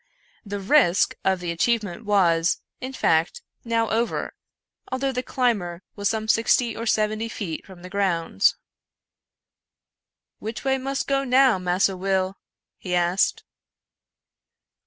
The risk of the achievement was, in fact, now over, although the climber was some sixty or seventy feet from the ground. " Which way mus' go now, Massa Will? " he asked.